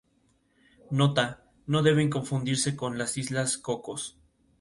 Nota, no deben confundirse con las islas cocos.